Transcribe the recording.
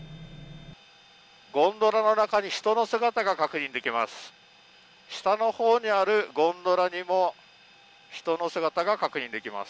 ゴンドラの中に人の姿が確認できます。